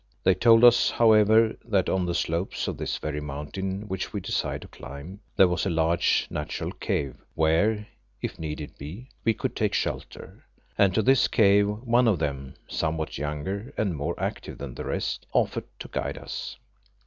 They told us, however, that on the slopes of this very mountain which we desired to climb, there was a large natural cave where, if need be, we could take shelter, and to this cave one of them, somewhat younger and more active than the rest, offered to guide us.